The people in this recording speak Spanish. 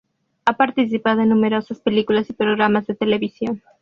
Ha participado en numerosas películas y programas de televisión.